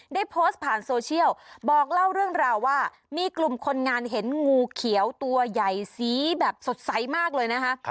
ได้โพสต์ผ่านโซเชียลบอกเล่าเรื่องราวว่ามีกลุ่มคนงานเห็นงูเขียวตัวใหญ่สีแบบสดใสมากเลยนะคะ